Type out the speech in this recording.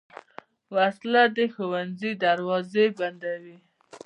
وسله د ښوونځي دروازې بندوي